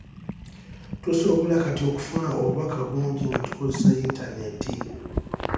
Tusobola kati okufuna obubaka bungi nga tukozesa yintaneeti